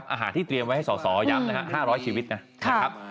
อาหารที่เตรียมไว้ให้สอสอย้ำนะครับ๕๐๐ชีวิตนะครับ